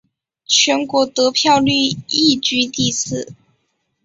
全国得票率亦居第四。